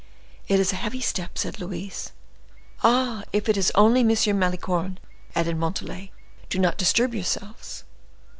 "It is a heavy step," said Louise. "Ah! if it is only M. Malicorne," added Montalais, "do not disturb yourselves."